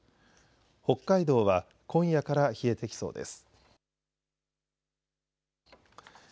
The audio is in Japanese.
北海道は今夜から冷えてきそうです。